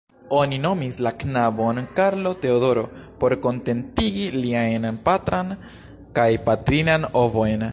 Oni nomis la knabon Karlo-Teodoro por kontentigi liajn patran kaj patrinan avojn.